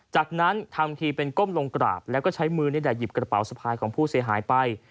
จากนั้นทำทีเป็นก้มลงกราบแล้วก็ใช้มือหยิบกระเป๋าสะพายของผู้เสียหายไป